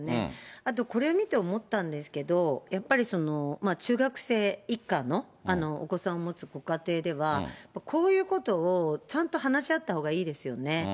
あとこれを見て思ったんですけど、やっぱり中学生以下のお子さんを持つご家庭では、こういうことをちゃんと話し合ったほうがいいですよね。